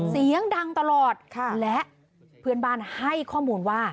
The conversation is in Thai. เสียงดังตลอดและเพื่อนบ้านให้ข้อมูลว่า